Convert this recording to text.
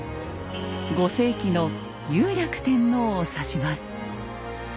５世紀の雄略天皇を指します。